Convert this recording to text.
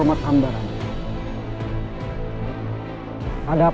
bolehkah bertanya kepada paman